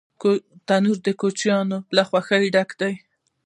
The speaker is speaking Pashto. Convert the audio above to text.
تنور د کوچنیانو له خوښۍ ډک دی